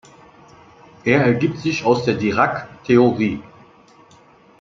Er ergibt sich aus der Dirac-Theorie.